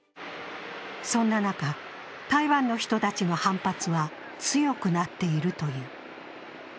そんな中、台湾の人たちの反発は強くなっているという。